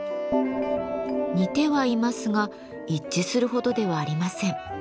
似てはいますが一致するほどではありません。